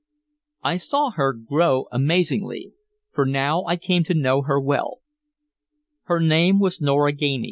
I saw her grow amazingly, for now I came to know her well. Her name was Nora Ganey.